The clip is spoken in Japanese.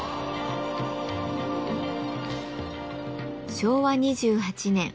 昭和２８年。